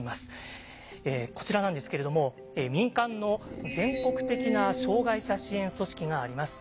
こちらなんですけれども民間の全国的な障害者支援組織があります。